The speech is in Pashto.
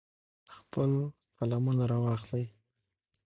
خپل قلمونه را واخلئ.